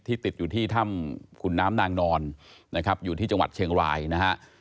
ติดอยู่ที่ถ้ำขุนน้ำนางนอนนะครับอยู่ที่จังหวัดเชียงรายนะฮะ